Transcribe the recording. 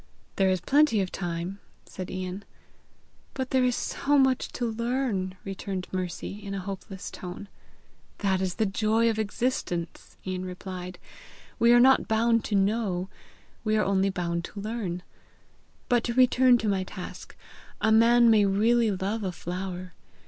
"There is plenty of time!" said Ian. "But there is so much to learn!" returned Mercy in a hopeless tone. "That is the joy of existence!" Ian replied. "We are not bound to know; we are only bound to learn. But to return to my task: a man may really love a flower.